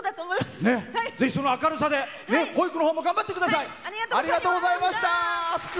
ぜひ、その明るさで保育のほうも頑張ってください。